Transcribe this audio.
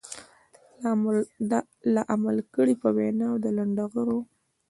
لا عمل کړي په وينا د لنډغرو.